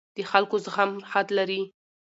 د خلکو زغم حد لري